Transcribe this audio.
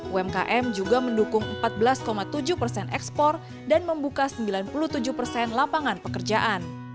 umkm juga mendukung empat belas tujuh persen ekspor dan membuka sembilan puluh tujuh persen lapangan pekerjaan